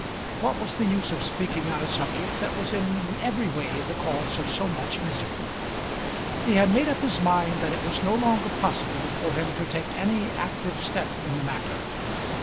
What was the use of speaking on a subject that was in every way the cause of so much misery? He had made up his mind that it was no longer possible for him to take any active step in the matter.